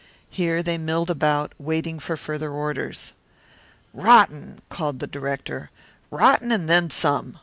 Here they milled about, waiting for further orders. "Rotten!" called the director. "Rotten and then some.